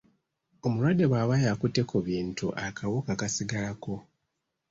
Omulwadde bw’aba yakutte ku bintu akawuka kasigalako.